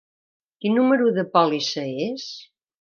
Quin número de pòlissa és?